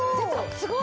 すごい！